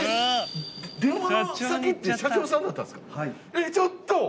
えっちょっと！